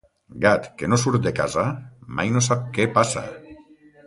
Gat que no surt de casa, mai no sap què passa.